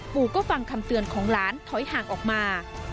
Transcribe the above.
ปู่ก็ฟังคำเตือนของหลานถอยห่างออกมา